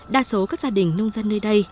đa số các gia đình nông dân nơi đây